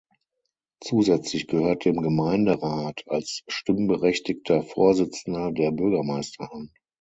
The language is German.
Zusätzlich gehört dem Gemeinderat als stimmberechtigter Vorsitzender der Bürgermeister an.